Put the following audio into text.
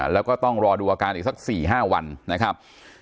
แล้วก็ต้องรอดูอาการอีกสัก๔๕วันนะครับ